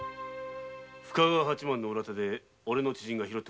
深川八幡の裏手でおれの知人が拾った。